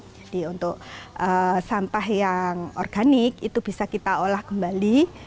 jadi untuk sampah yang organik itu bisa kita olah kembali